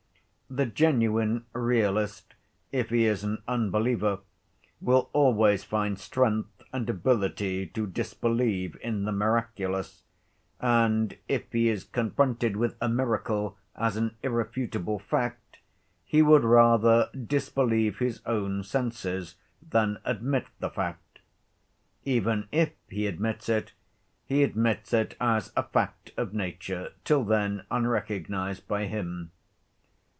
The genuine realist, if he is an unbeliever, will always find strength and ability to disbelieve in the miraculous, and if he is confronted with a miracle as an irrefutable fact he would rather disbelieve his own senses than admit the fact. Even if he admits it, he admits it as a fact of nature till then unrecognized by him.